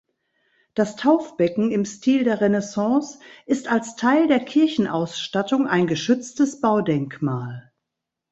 Das Taufbecken im Stil der Renaissance ist als Teil der Kirchenausstattung ein geschütztes Baudenkmal.